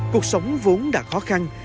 cuộc sống vốn đã khó khăn